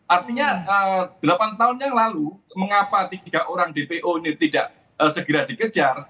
artinya delapan tahun yang lalu mengapa tiga orang dpo ini tidak segera dikejar